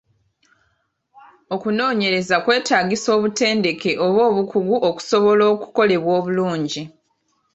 Okunoonyereza kwetaagisa obutendeke oba obukugu okusobola okukolebwa obulungi.